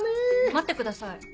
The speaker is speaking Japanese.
待ってください。